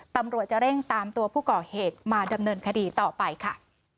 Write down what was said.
ตำรวจจะเร่งตามตัวผู้ก่อเหตุมาดำเนินคดีต่อไปค่ะ